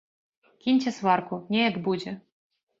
Кіньце сварку, неяк будзе!